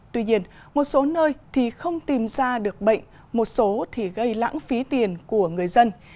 tuy nhiên một số nơi thì không tìm ra được bệnh một số thì gây lãng phí tiền của người dân